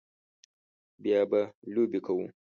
بیا به لوبې کوو